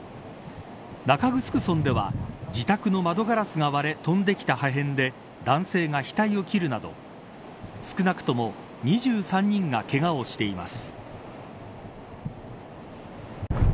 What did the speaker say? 中城村では自宅の窓ガラスが割れ飛んできた破片で男性が額を切るなど少なくとも２３人がけがをしています。